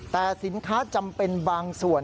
แต่สินค้าจำเป็นบางส่วน